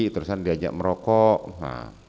terus diajak merokok